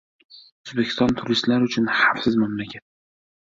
O‘zbekiston — turistlar uchun xavfsiz mamlakat